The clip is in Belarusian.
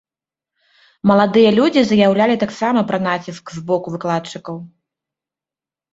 Маладыя людзі заяўлялі таксама пра націск з боку выкладчыкаў.